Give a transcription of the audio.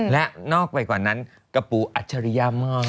และนอกไปกว่านั้นกระปูอัจฉริยะมาก